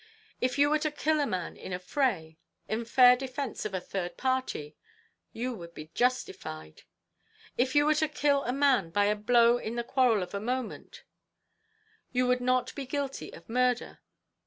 If you were to kill a man in a fray, in fair defence of a third party, you would be justified. If you were to kill a man by a blow in the quarrel of a moment, you would not be guilty of murder.